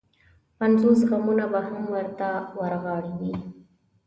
پنځوس غمونه به هم ورته ورغاړې وي.